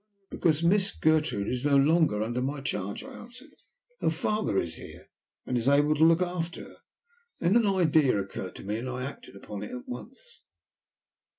"Because Miss Gertrude is no longer under my charge," I answered. "Her father is here, and is able to look after her." Then an idea occurred to me, and I acted upon it at once.